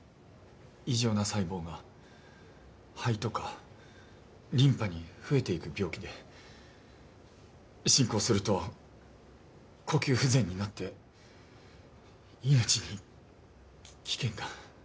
異常な細胞が肺とかリンパに増えていく病気で進行すると呼吸不全になって命にき危険が。